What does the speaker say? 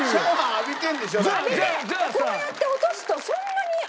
浴びてこうやって落とすとそんなに。